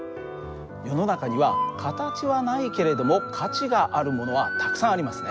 世の中には形はないけれども価値があるものはたくさんありますね。